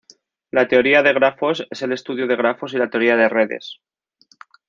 La teoría de grafos es el estudio de grafos y la teoría de redes.